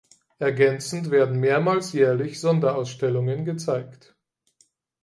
Ergänzend werden mehrmals jährlich Sonderausstellungen gezeigt.